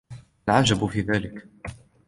ما العجب في ذلك ؟